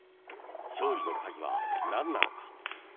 勝利の鍵はなんなのか。